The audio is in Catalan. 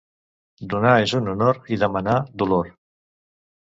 Donar és un honor i demanar, dolor.